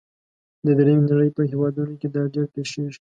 د دریمې نړۍ په هیوادونو کې دا ډیر پیښیږي.